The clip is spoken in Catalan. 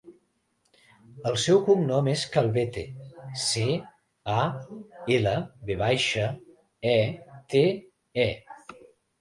El seu cognom és Calvete: ce, a, ela, ve baixa, e, te, e.